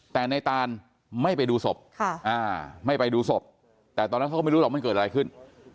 แต่ในตานไม่ไปดูศพไม่ไปดูศพแต่ตอนนั้นเขาก็ไม่รู้หรอกมันเกิดอะไรขึ้น